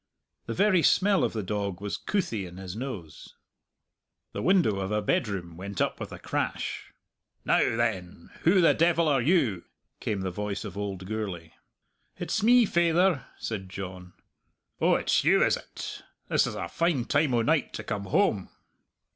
The very smell of the dog was couthie in his nose. The window of a bedroom went up with a crash. "Now, then, who the devil are you?" came the voice of old Gourlay. "It's me, faither," said John. "Oh, it's you, is it? This is a fine time o' night to come home."